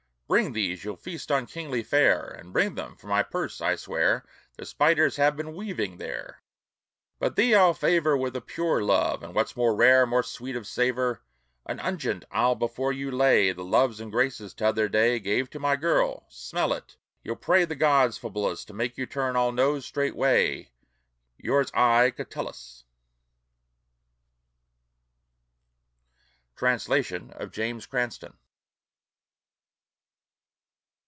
Bring these you'll feast on kingly fare; But bring them for my purse I swear The spiders have been weaving there; But thee I'll favor With a pure love, or what's more rare, More sweet of savor, An unguent I'll before you lay The Loves and Graces t'other day Gave to my girl smell it you'll pray The gods, Fabullus, To make you turn all nose straightway. Yours aye, CATULLUS. Translation of James Cranstoun.